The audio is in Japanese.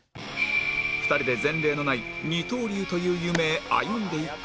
２人で前例のない二刀流という夢へ歩んでいく事に